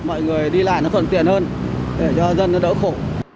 mọi người đi lại nó phần tiền hơn để cho dân nó đỡ khổ